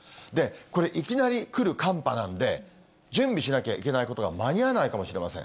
これ、いきなり来る寒波なんで、準備しなきゃいけないことが、間に合わないかもしれません。